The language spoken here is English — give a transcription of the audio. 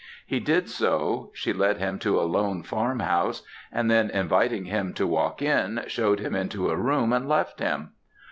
He did so; she led him to a lone farm house, and then inviting him to walk in, shewed him into a room and left him.